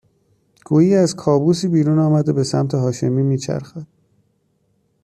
گویی از کابوسی بیرون آمده به سمت هاشمی میچرخد